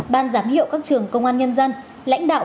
ban giám hiệu các trường công an nhân dân